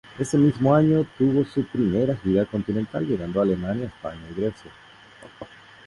Ese mismo año tuvo su primera gira continental, llegando a Alemania, España y Grecia.